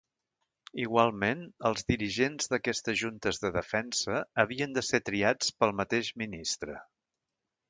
Igualment, els dirigents d'aquestes Juntes de Defensa, havien de ser triats pel mateix ministre.